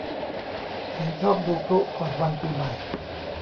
ฉันชอบดูพลุก่อนวันปีใหม่